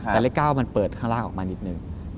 แต่เลข๙มันเปิดข้างล่างออกมานิดนึง